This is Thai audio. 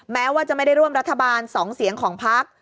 แม้ว่าจะไม่ได้ร่วมรัฐบาล๒เสียงของพัก